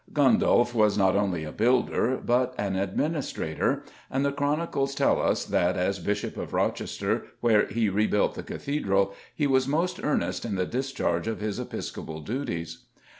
Gundulf was not only a builder but an administrator, and the chronicles tell us that, as Bishop of Rochester, where he rebuilt the Cathedral, he was most earnest in the discharge of his episcopal duties.